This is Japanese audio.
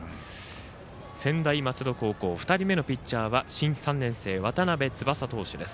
専大松戸高校２人目のピッチャーは新３年生、渡邉翼投手です。